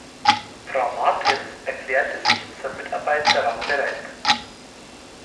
Frau Martens erklärte sich zur Mitarbeit daran bereit.